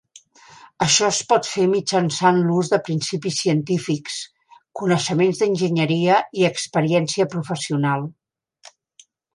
Això es pot fer mitjançant l'ús de principis científics, coneixements d'enginyeria i experiència professional.